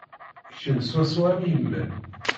Kemm swaswa am yemma-m.